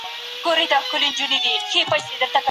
خوب هم د زړه لپاره مهم دی.